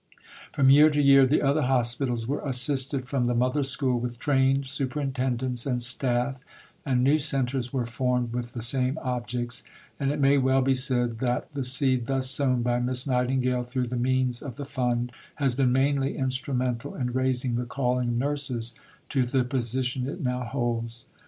From year to year the other hospitals were assisted from the mother school with trained superintendents and staff, and new centres were formed with the same objects, and it may well be said that the seed thus sown by Miss Nightingale through the means of the Fund has been mainly instrumental in raising the calling of nurses to the position it now holds.